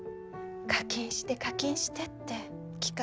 「課金して課金して」って聞か